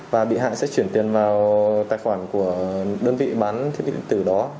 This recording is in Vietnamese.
và bị hại sẽ chuyển tiền vào tài khoản của đơn vị bán thiết bị điện tử đó